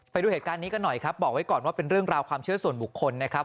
ไปดูเหตุการณ์นี้กันหน่อยครับบอกไว้ก่อนว่าเป็นเรื่องราวความเชื่อส่วนบุคคลนะครับ